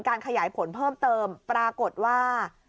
ขยายผลเพิ่มเติมปรากฏว่า